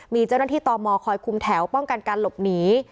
มีเจ้าหน้าที่ตมคอยคุมแถวป้องกันการหลบหนี